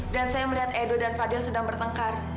dan saya melihat edo dan fadil sedang bertengkar